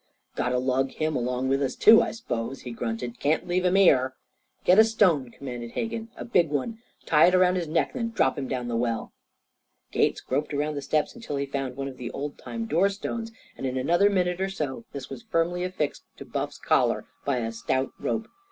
"Got to lug him along with us, too, I s'pose?" he grunted. "Can't leave him here." "Get a stone," commanded Hegan "a big one. Tie it around his neck. Then drop him down the well." Gates groped around the steps until he found one of the old time door stones, and in another minute or so this was firmly affixed to Buff's collar by a stout rope.